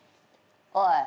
おい。